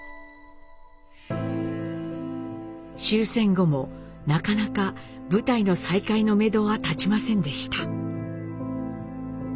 終戦後もなかなか舞台の再会のめどは立ちませんでした。